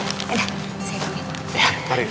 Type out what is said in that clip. aduh saya pergi dulu